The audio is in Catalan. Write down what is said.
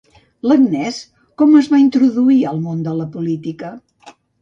L'Agnès com es va introduir al món de la política?